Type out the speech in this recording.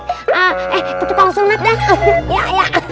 eh ketukang sunat dah